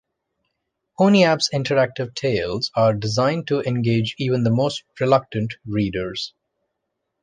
PonyApps interactive tales are designed to engage even the most reluctant readers.